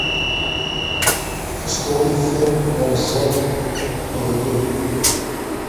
ⴰⵛⴽⵓ ⵉⴼⴼⵔ ⴳ ⵓⵎⵥⵥⵓⵖ ⵏ ⵓⵖⵢⵓⵍ.